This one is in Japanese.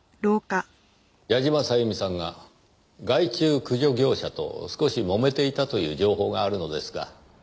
矢島さゆみさんが害虫駆除業者と少しもめていたという情報があるのですが。